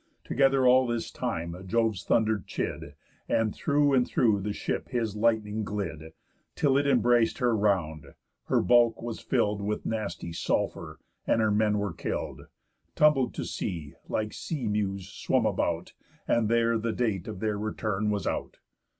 Together all this time Jove's thunder chid, And through and through the ship his lightning glid, Till it embrac'd her round; her bulk was fill'd With nasty sulphur, and her men were kill'd, Tumbled to sea, like sea mews swum about, And there the date of their return was out.